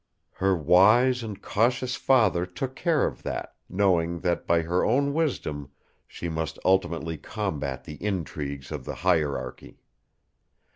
Her wise and cautious father took care of that, knowing that by her own wisdom she must ultimately combat the intrigues of the Hierarchy.